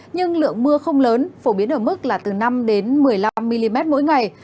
nhưng lượng mưa không lớn phổ biến ở mức là từ năm đến một mươi năm mm mỗi ngày